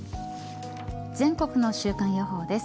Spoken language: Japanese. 全国の週間予報です。